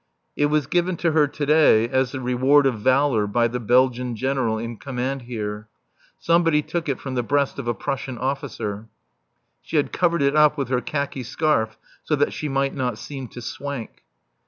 It was given to her to day as the reward of valour by the Belgian General in command here. Somebody took it from the breast of a Prussian officer. She had covered it up with her khaki scarf so that she might not seem to swank.